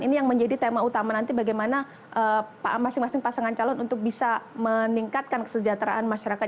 ini yang menjadi tema utama nanti bagaimana masing masing pasangan calon untuk bisa meningkatkan kesejahteraan masyarakat